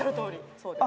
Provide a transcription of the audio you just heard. そうです。